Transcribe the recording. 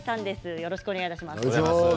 よろしくお願いします。